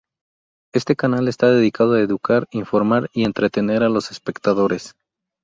Este canal está dedicado a educar, informar, y entretener a los espectadores.